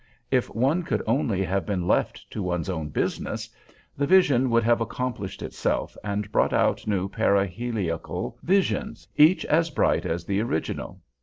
If one could only have been left to do his own business, the vision would have accomplished itself and brought out new paraheliacal visions, each as bright as the original.